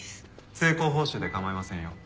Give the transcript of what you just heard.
成功報酬で構いませんよ。